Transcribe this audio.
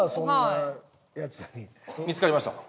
見付かりました。